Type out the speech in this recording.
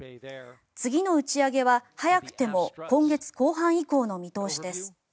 次の打ち上げは、早くても今月後半以降の見通しです。